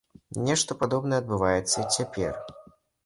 Нешта падобнае адбываецца і цяпер.